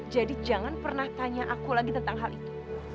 jadi jangan pernah tanya aku lagi tentang hal itu